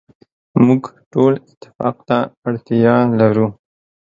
موږ ټول اتفاق ته اړتیا لرو.